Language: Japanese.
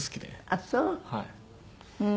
あっそう。